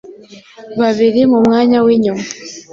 babiri mu mwanya w'inyuma.